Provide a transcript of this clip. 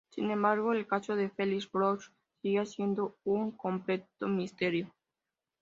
Sin embargo, el caso de Felix Bloch seguía siendo un "completo misterio".